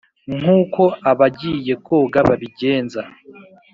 nk’uko abagiye koga babigenza.